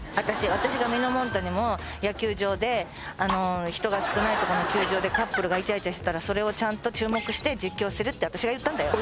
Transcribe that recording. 私がみのもんたにも野球場で人が少ないとこの球場でカップルがイチャイチャしてたらそれをちゃんと注目して実況するって私が言ったんだよ